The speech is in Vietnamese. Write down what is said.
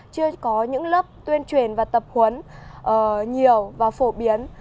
chưa có những lớp tuyên truyền và tập huấn nhiều và phổ biến